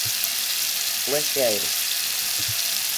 Flexeiras